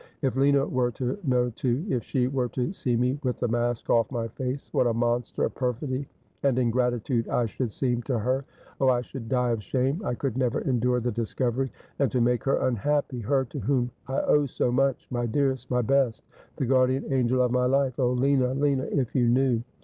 ' If Lina were to know too ? If she were to see me with the mask off my face, what a monster of perfidy and ingratitude I should seem to her ! Oh, I should die of shame. I could never endure the discovery. And to make her unhappy — her to whom I owe so much, my dearest, my best, the guardian angel of my life. Oh, Lina, Lina, if you knew